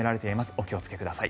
お気をつけください。